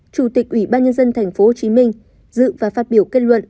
chủ tịch ủy ban nhân dân tp hcm dự và phát biểu kết luận